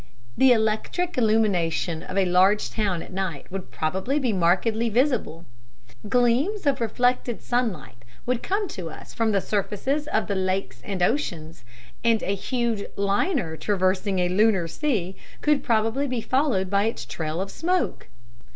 The electric illumination of a large town at night would probably be markedly visible. Gleams of reflected sunlight would come to us from the surfaces of the lakes and oceans, and a huge "liner" traversing a lunar sea could probably be followed by its trail of smoke.